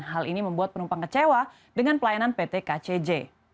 hal ini membuat penumpang kecewa dengan pelayanan pt kcj